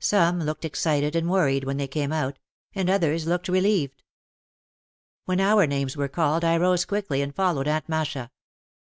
Some looked excited and worried when they came out, and others looked relieved. When our names were called I rose quickly and fol lowed Aunt Masha.